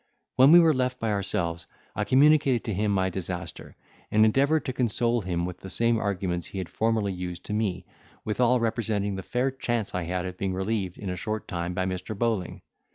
When we were left by ourselves, I communicated to him my disaster, and endeavoured to console him with the same arguments he had formerly used to me, withal representing the fair chance I had of being relieved in a short time by Mr. Bowling.